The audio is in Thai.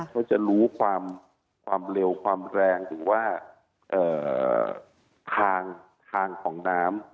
เขาจะรู้ความเร็วความแรงหรือว่าทางของน้ำ